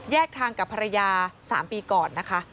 ทางกับภรรยา๓ปีก่อนนะคะ